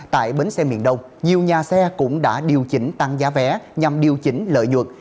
tại bến xe miền đông nhiều nhà xe cũng đã điều chỉnh tăng giá vé nhằm điều chỉnh lợi nhuận